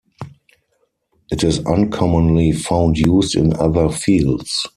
It is uncommonly found used in other fields.